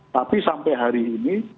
tapi sampai hari ini